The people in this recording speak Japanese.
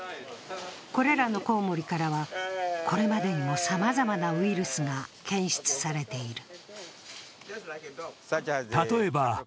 これらのコウモリからは、これまでにもさまざまなウイルスが検出されている。